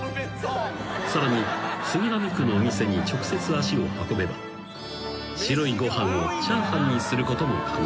［さらに杉並区のお店に直接足を運べば白いご飯をチャーハンにすることも可能］